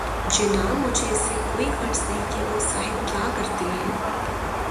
جناب مجھے اس سے کوئی غرض نہیں کہ وہ صاحب کیا کرتے ہیں۔